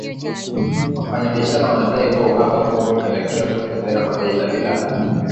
Wafanyabiashara wanadai kuwa uhaba huo ulipelekea kuongezeka kwa bei za bidhaa